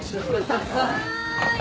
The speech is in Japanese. はい。